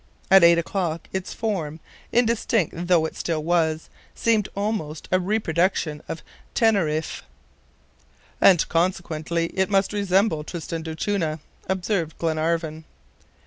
At eight o'clock, its form, indistinct though it still was, seemed almost a reproduction of Teneriffe. "And consequently it must resemble Tristan d'Acunha," observed Glenarvan.